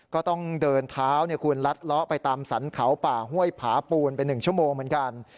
ก็ต้องเดินเท้าคุณลัดเลาะไปตามสรรเขาป่าห้วยผาปูนไป๑ชั่วโมงเหมือนกัน